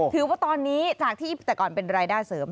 ถือว่าตอนนี้จากที่แต่ก่อนเป็นรายได้เสริม